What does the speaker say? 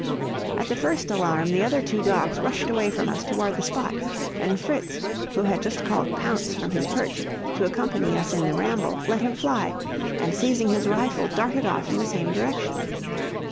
At the first alarm, the other two dogs rushed away from us toward the spot, and Fritz, who had just called Pounce from his perch, to accompany us in the ramble, let him fly, and seizing his rifle darted off in the same direction.